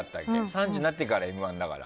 ３０になってから「Ｍ‐１」だから。